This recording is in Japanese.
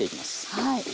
はい。